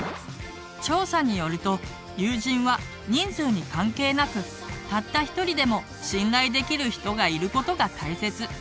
調査によると友人は人数に関係なくたった一人でも信頼できる人がいることが大切。